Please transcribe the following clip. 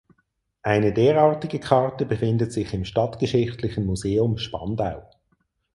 Eine derartige Karte befindet sich im Stadtgeschichtlichen Museum Spandau.